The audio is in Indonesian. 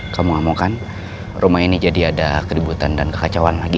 kamu ngamukan rumah ini jadi ada keributan dan kekacauan lagi